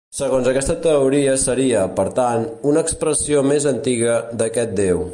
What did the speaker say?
Segons aquesta teoria seria, per tant, una expressió més antiga d'aquest déu.